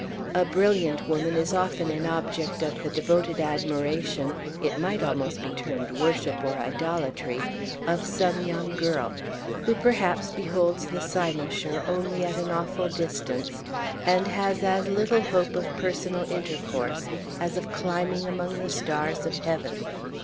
A brilliant woman is often an object of the devoted admiration it might almost be termed worship, or idolatry of some young girl, who perhaps beholds the cynosure only at an awful distance, and has as little hope of personal intercourse as of climbing among the stars of heaven.